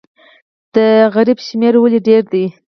د سوالګرو شمیر ولې ډیر دی؟